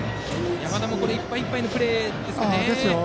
山田もいっぱいいっぱいのプレーでした。